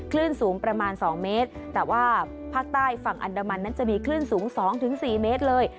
คลื่นสูงประมาณ๒เมตรแต่ว่าภาคใต้ฝั่งอันดามันนั้นจะมีคลื่นสูง๒๔เมตรเลย